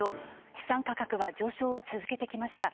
資産価格は上昇を続けてきました。